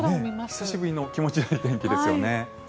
久しぶりの気持ちのよい天気ですよね。